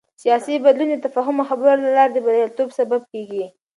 سیاسي بدلون د تفاهم او خبرو له لارې د بریالیتوب سبب کېږي